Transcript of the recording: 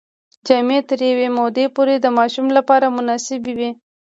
جامې تر یوې مودې پورې د ماشوم لپاره مناسبې وي.